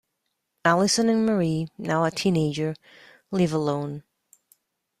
Allison and Marie, now a teenager, live alone.